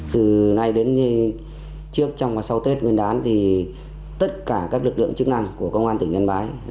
từ nay đến trước trong và sau tết nguyên đán thì tất cả các lực lượng chức năng của công an tỉnh yên bái